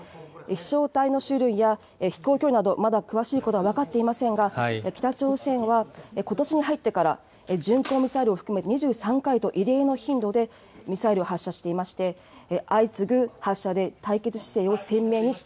飛しょう体の種類や飛行距離など、まだ詳しいことは分かっていませんが、北朝鮮はことしに入ってから、巡航ミサイルを含め２３回と、異例の頻度でミサイルを発射していまして、相次ぐ発射で対決姿勢